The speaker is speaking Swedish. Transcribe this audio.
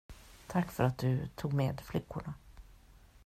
Tack för att du tog med flickorna.